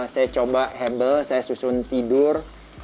saya coba hebel saya susun tidur